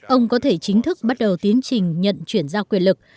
ông có thể chính thức bắt đầu tiến trình nhận chuyển giao quyền lực